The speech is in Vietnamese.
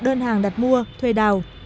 đơn hàng đặt mua thuê đào